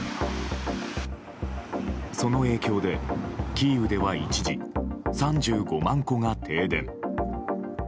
その影響で、キーウでは一時３５万戸が停電。